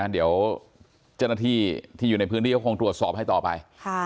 เดี๋ยวเจ้าหน้าที่ที่อยู่ในพื้นที่ก็คงตรวจสอบให้ต่อไป